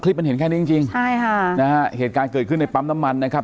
มันเห็นแค่นี้จริงจริงใช่ค่ะนะฮะเหตุการณ์เกิดขึ้นในปั๊มน้ำมันนะครับ